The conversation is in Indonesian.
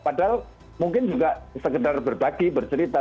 padahal mungkin juga sekedar berbagi bercerita